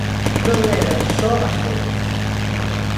Non eran só as letras.